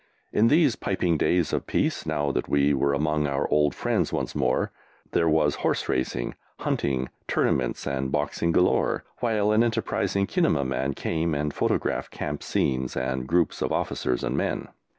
In these piping days of Peace, now that we were among our old friends once more, there was horse racing, hunting, tournaments and boxing galore, while an enterprising kinema man came and photographed camp scenes and groups of officers and men.